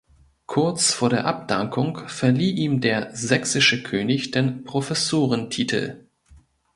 Kurz vor der Abdankung verlieh ihm der sächsische König den Professorentitel.